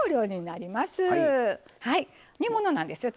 煮物なんですよ